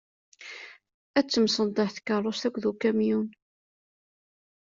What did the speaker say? Ad temsenḍaḥ tkerrust akked ukamyun.